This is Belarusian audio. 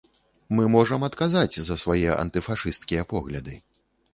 Мы можам адказаць за свае антыфашысцкія погляды.